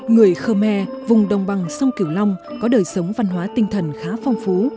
người khmer vùng đồng bằng sông cửu long có đời sống văn hóa tinh thần khá phong phú